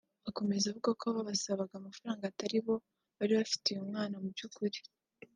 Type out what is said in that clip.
Akomeza avuga ko ababasabaga amafaranga ataribo bari bafite uyu mwana mu by’ukuri